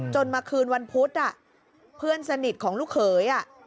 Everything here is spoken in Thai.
มาคืนวันพุธเพื่อนสนิทของลูกเขย